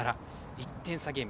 １点差ゲーム。